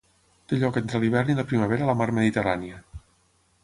Té lloc entre l'hivern i la primavera a la mar Mediterrània.